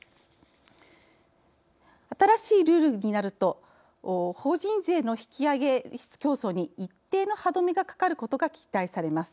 新しいルールになると法人税の引き上げ率競争に一定の歯止めがかかることに期待されます。